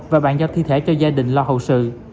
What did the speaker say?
và bàn giao thi thể cho gia đình lo hậu sự